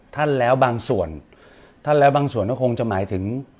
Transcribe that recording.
ท่านแล้วบางส่วนจะคงคงจะหมายถึง